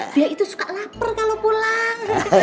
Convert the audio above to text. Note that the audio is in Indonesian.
dia itu suka lapar kalau pulang